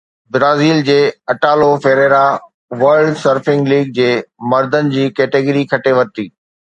Brazil جي Italo Ferreira world surfing league جي مردن جي ڪيٽيگري کٽي ورتي